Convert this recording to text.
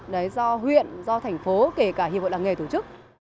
đấy do huyện do thành phố kể cả hiệp hội làng nghề tổ chức